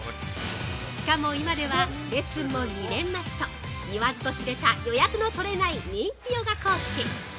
しかも、今ではレッスンも２年待ちと言わずとしれた予約の取れない人気ヨガ講師！